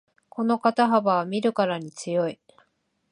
この肩幅は見るからに強い